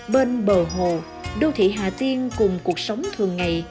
bên bờ hồ đô thị hà tiên cùng cuộc sống thường ngày